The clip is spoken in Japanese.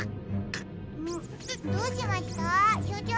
んっどうしました？